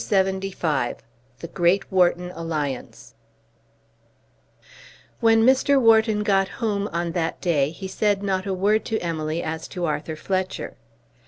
CHAPTER LXXV The Great Wharton Alliance When Mr. Wharton got home on that day he said not a word to Emily as to Arthur Fletcher.